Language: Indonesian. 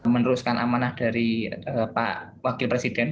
meneruskan amanah dari pak wakil presiden